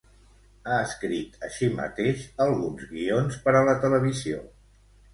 Ha escrit així mateix alguns guions per a la televisió.